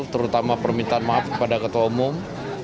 terutama permintaan maaf kepada ketua umum